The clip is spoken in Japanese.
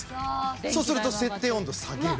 そうすると設定温度下げる。